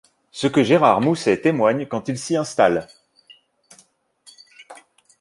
Ce que Gérard Moussay témoigne quand il s’y installe.